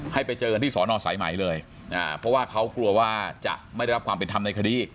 ให้ไปเจอกันที่สอนอสายไหมเลยเพราะว่าเขากลัวว่าจะไม่ได้รับความเป็นธรรมในคดี